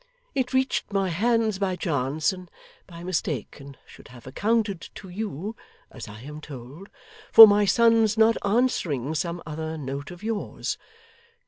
It reached my hands by chance, and by mistake, and should have accounted to you (as I am told) for my son's not answering some other note of yours.